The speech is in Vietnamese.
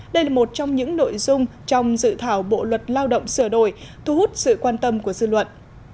đây là một trong những nội dung trong dự thảo bộ luật lao động sửa đổi thu hút sự quan tâm của dư luận